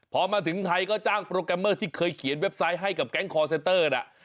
พอมาถึงไทยก็จ้างโปรแกรมเมอร์ที่เคยเขียนเว็บไซต์ให้กับแก๊งคอร์เซนเตอร์น่ะ